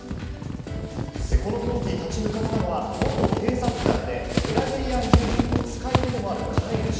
このとき立ち向かったのは元警察官で、ブラジリアン柔術の使い手でもある飼い主。